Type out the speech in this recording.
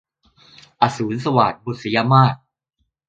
อสูรสวาท - บุษยมาส